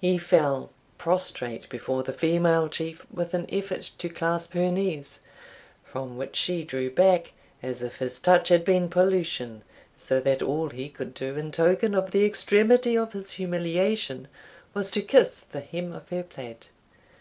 He fell prostrate before the female Chief with an effort to clasp her knees, from which she drew back, as if his touch had been pollution, so that all he could do in token of the extremity of his humiliation, was to kiss the hem of her plaid.